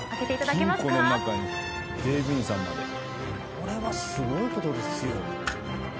これはすごいことですよ。